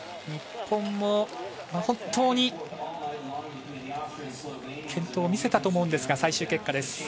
日本も本当に健闘を見せたと思うんですが最終結果です。